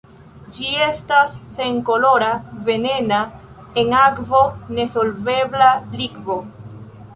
Ĝi estas senkolora, venena, en akvo nesolvebla likvo.